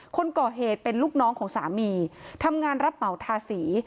คนก่อเหตุเป็นลูกน้องของสามีทำงานรับเหมาทาสี